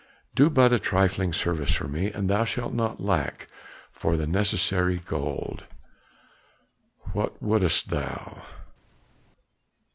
Do but a trifling service for me, and thou shalt not lack for the necessary gold." "What wouldst thou?"